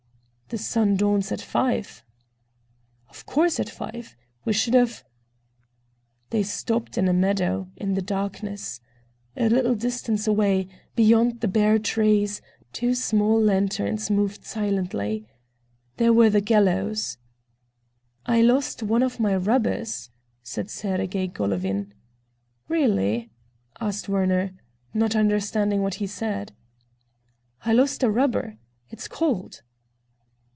"The sun dawns at five." "Of course, at five. We should have—" They stopped in a meadow, in the darkness. A little distance away, beyond the bare trees, two small lanterns moved silently. There were the gallows. "I lost one of my rubbers," said Sergey Golovin. "Really?" asked Werner, not understanding what he said. "I lost a rubber. It's cold."